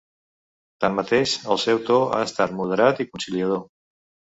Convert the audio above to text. Tanmateix, el seu to ha estat moderat i conciliador.